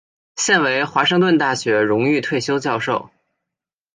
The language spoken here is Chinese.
现为华盛顿大学荣誉退休教授。